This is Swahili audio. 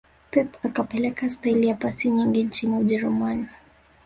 pep akapeleka staili ya pasi nyingi nchini ujerumani